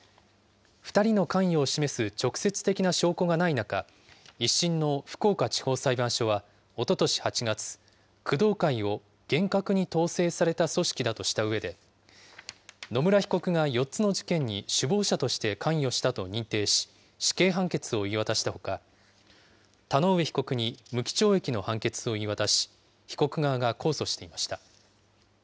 ２人の関与を示す直接的な証拠がない中、１審の福岡地方裁判所はおととし８月、工藤会を厳格に統制された組織だとしたうえで、野村被告が４つの事件に首謀者として関与したと認定し、死刑判決を言い渡したほか、田上被告に無期懲役の判決を言い渡し、被告側が控訴していました。